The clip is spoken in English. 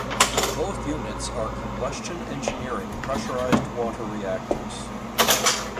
Both units are Combustion Engineering pressurized water reactors.